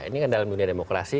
ini kan dalam dunia demokrasi